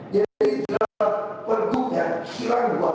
dia tidak membangun